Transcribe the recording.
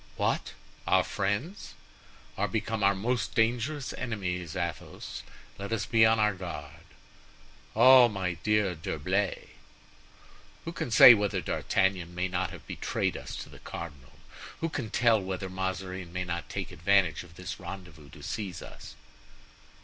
"What! our friends?" "Are become our most dangerous enemies, Athos. Let us be on our guard." "Oh! my dear D'Herblay!" "Who can say whether D'Artagnan may not have betrayed us to the cardinal? who can tell whether Mazarin may not take advantage of this rendezvous to seize us?"